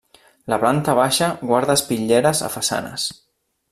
La planta baixa guarda espitlleres a façanes.